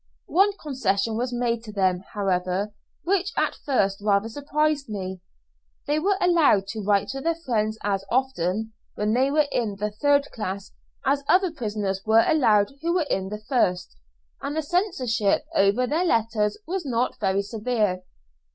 One concession was made to them, however, which at first rather surprised me. They were allowed to write to their friends as often, when they were in the third class, as other prisoners were allowed who were in the first, and the censorship over their letters was not very severe.